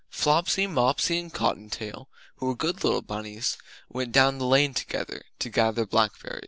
Flopsy, Mopsy and Cotton tail who were good little bunnies went down the lane together To gather blackberries.